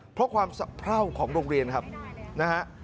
เพราะความสะเพราของโรงเรียนครับนะฮะ